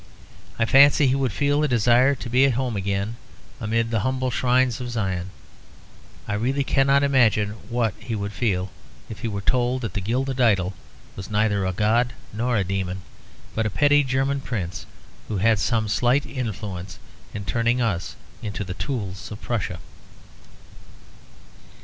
I fancy he would feel a desire to be at home again amid the humble shrines of Zion. I really cannot imagine what he would feel, if he were told that the gilded idol was neither a god nor a demon, but a petty German prince who had some slight influence in turning us into the tools of Prussia.